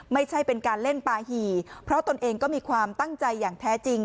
ไม่ใช่เป็นการเล่นปาหี่เพราะตนเองก็มีความตั้งใจอย่างแท้จริง